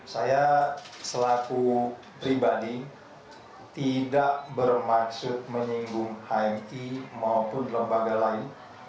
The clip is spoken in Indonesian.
saya selaku pribadi tidak bermaksud menyinggung hmi maupun lembaga lain